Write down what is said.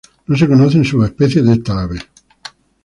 No se conocen subespecies de esta ave.